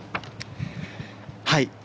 はい。